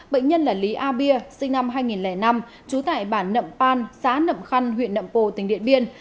bệnh nhân là lý a bia sinh năm hai nghìn năm trú tại bản nậm păn xã nậm khăn huyện nậm pồ tỉnh điện biên